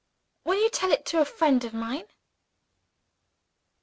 Will you tell it to a friend of mine?"